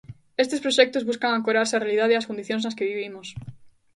Estes proxectos buscan ancorarse á realidade e ás condicións nas que vivimos.